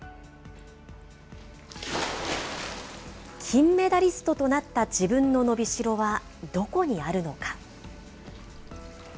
金メダリストとなった自分の伸びしろは、どこにあるのか。